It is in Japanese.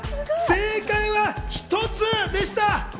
正解は「一つ」でした。